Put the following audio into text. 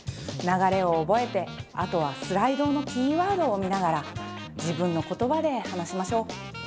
流れを覚えてあとはスライドのキーワードを見ながら自分の言葉で話しましょう。